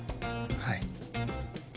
はい。